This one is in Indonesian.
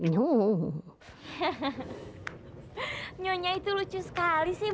nyoha nyonya itu lucu sekali sih